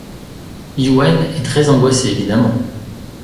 Youenn est très angoissé évidemment.